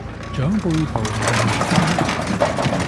長輩圖唔係用蓮花咩